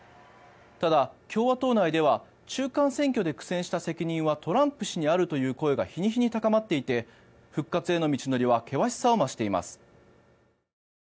ただ、共和党内では中間選挙で苦戦した責任はトランプ氏にあるという声が日に日に高まっていて復活への道のりは険しさを増しています。